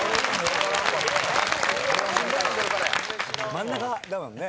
真ん中だもんね。